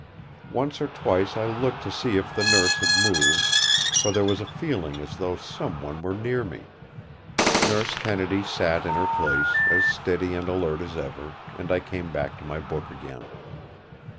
Once or twice I looked to see if the Nurse had moved, for there was a feeling as though some one were near me. Nurse Kennedy sat in her place, as steady and alert as ever; and I came back to my book again.